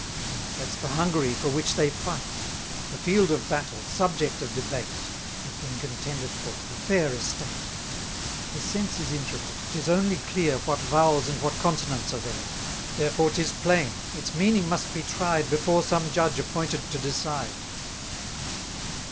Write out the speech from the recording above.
No, that's the Hungary for which they fight; The field of battle, subject of debate; The thing contended for, the fair estate. The sense is intricate, 'tis only clear What vowels and what consonants are there. Therefore 'tis plain, its meaning must be tried Before some judge appointed to decide.